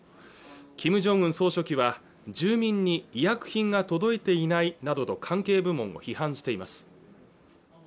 キム・ジョンウン総書記は住民に医薬品が届いていないなどと関係部門も批判しています